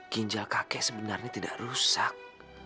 ginjal kakek sebenarnya tidak rusak